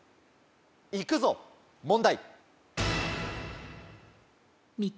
行くぞ問題。